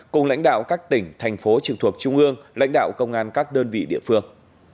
cùng lãnh đạo các tỉnh thành phố trực thuộc trung ương lãnh đạo công an các đơn vị địa phương